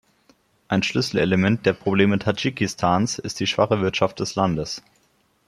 Ein Schlüsselelement der Probleme Tadschikistans ist die schwache Wirtschaft des Landes.